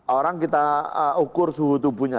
orang kita ukur suhu tubuhnya